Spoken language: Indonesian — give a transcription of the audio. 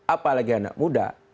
apalagi anak muda